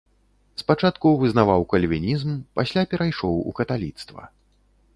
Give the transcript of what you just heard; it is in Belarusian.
Спачатку вызнаваў кальвінізм, пасля перайшоў у каталіцтва.